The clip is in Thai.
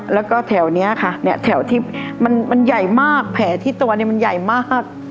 แล้วก็แถวนี้ค่ะเนี่ยแถวที่มันใหญ่มากแผลที่ตัวเนี่ยมันใหญ่มาก